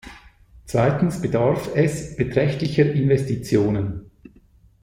Zweitens bedarf es beträchtlicher Investitionen.